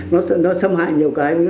nó xâm hại nhiều cái